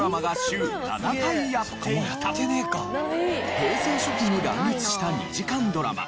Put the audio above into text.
平成初期に乱立した２時間ドラマ。